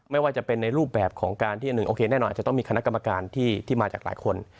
ไม่ว่าจะเป็นในรูปแบบของการที่อันหนึ่งโอเคแน่นอนอาจจะต้องมีคณะกรรมการที่มาจากหลายคน